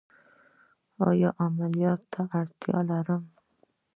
ایا زه عملیات ته اړتیا لرم؟